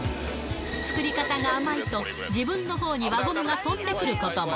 作り方が甘いと、自分のほうに輪ゴムが飛んでくることも。